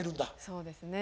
そうですね。